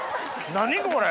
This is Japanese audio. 何これ！